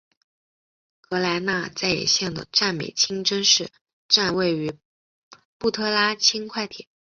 格拉那再也线的占美清真寺站属于布特拉轻快铁。